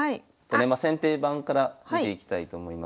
先手番から見ていきたいと思います。